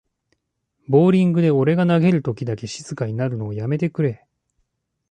ボーリングで俺が投げるときだけ静かになるのやめてくれ